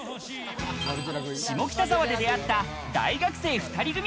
下北沢で出会った大学生２人組。